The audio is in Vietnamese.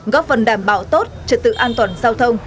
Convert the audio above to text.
góp phần đảm bảo tốt trật tự an toàn giao thông